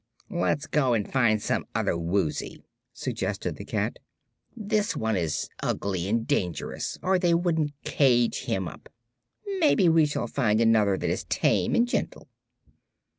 "Let's go on and find some other Woozy," suggested the cat. "This one is ugly and dangerous, or they wouldn't cage him up. Maybe we shall find another that is tame and gentle."